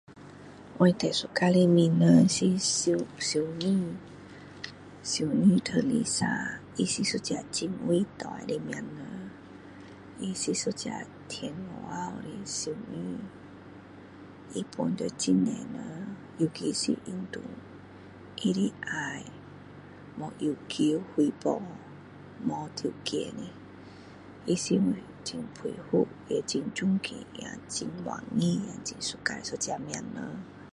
我最喜欢的名人是修修女修女Teresa 他是一个很伟大的名人她是一个天主教的修女他帮到很多人尤其是印度她的爱没要求回报没条件的他是很佩服也很尊敬也很满意也很喜欢的一个名人